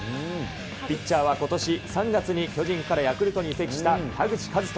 ピッチャーはことし３月に、巨人からヤクルトに移籍した田口麗斗。